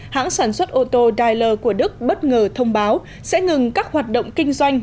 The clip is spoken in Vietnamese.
hãng sản xuất ô tô dailer của đức bất ngờ thông báo sẽ ngừng các hoạt động kinh doanh